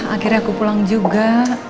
akhirnya aku pulang juga